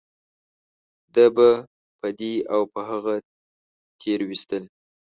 ده به په دې او په هغه تېرويستل .